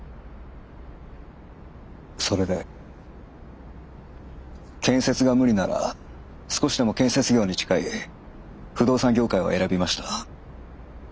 それで建設が無理なら少しでも建設業に近い不動産業界を選びました。